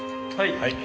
はい。